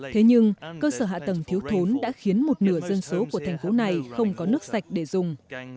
thế nhưng cơ sở hạ tầng thiếu thốn đã khiến một nửa dân số của thành phố này không có nước sạch để dùng